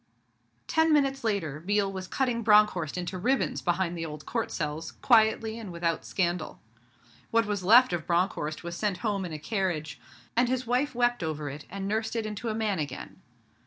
Ten minutes later, Biel was cutting Bronckhorst into ribbons behind the old Court cells, quietly and without scandal. What was left of Bronckhorst was sent home in a carriage; and his wife wept over it and nursed it into a man again.